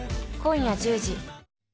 今夜１０時。